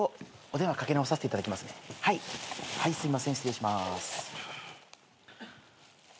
はいすいません失礼します。